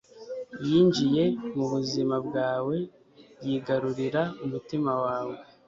Yinjiye mubuzima bwawe yigarurira umutima wawe